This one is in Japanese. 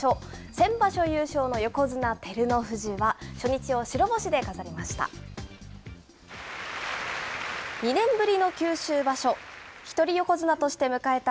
先場所優勝の横綱・照ノ富士は、初日を白星で飾りました。